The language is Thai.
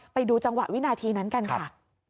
ไปดูจังหวะวินาทีนั้นกันค่ะ